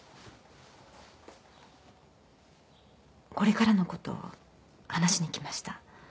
これからのことを話しに来ました。